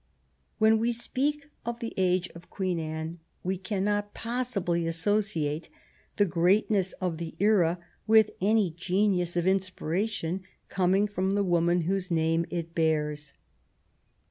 When we speak of the age of Queen Anne we cannot possibly associate the greatness of the era with any genius of inspiration coming from the woman whose name it bears.